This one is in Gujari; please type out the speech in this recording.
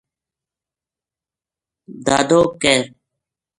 دادو ک